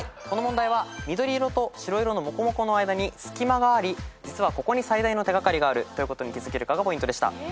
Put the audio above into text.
この問題は緑色と白色のもこもこの間に隙間がありここに最大の手掛かりがあるということに気付けるかがポイント。